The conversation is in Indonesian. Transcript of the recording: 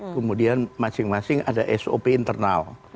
kemudian masing masing ada sop internal